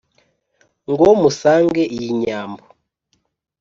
ngo musange iyi nyambo